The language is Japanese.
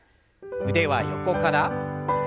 腕は横から。